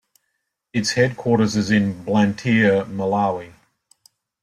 Its headquarters is in Blantyre, Malawi.